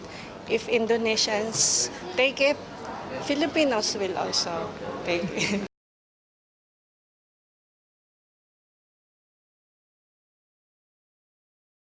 jika indonesia mengambilnya filipinos juga akan mengambilnya